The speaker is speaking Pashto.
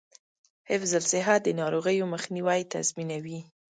حفظ الصحه د ناروغیو مخنیوی تضمینوي.